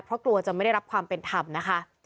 เพราะกลัวจะไม่ได้รับความเป็นธรรมนะคะ